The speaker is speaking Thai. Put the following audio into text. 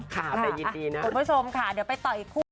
ขอบคุณผู้ชมค่ะเดี๋ยวไปต่ออีกคู่